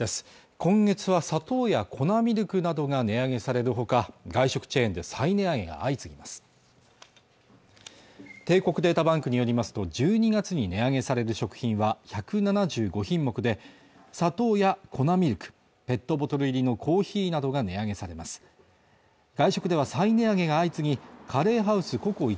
今月は砂糖や粉ミルクなどが値上げされるほか外食チェーンで再値上げが相次ぎます帝国データバンクによりますと１２月に値上げされる食品は１７５品目で砂糖や粉ミルクペットボトル入りのコーヒーなどが値上げされます外食では再値上げが相次ぎカレーハウスＣｏＣｏ壱